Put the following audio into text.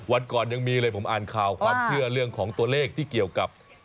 วันก่อนยังมีเลยผมอ่านข่าวความเชื่อเรื่องของตัวเลขที่เกี่ยวกับ